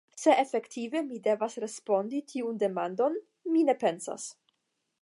Se efektive mi devas respondi tiun demandon, mi ne pensas.